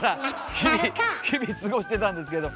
日々過ごしてたんですけど。